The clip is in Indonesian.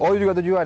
oh itu juga tujuan